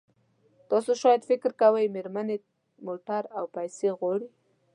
تاسو شاید فکر کوئ مېرمنې موټر او پیسې غواړي.